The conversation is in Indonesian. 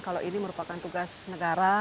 kalau ini merupakan tugas negara